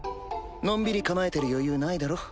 のんびり構えてる余裕ないだろ？